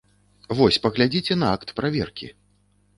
Вось, паглядзіце на акт праверкі.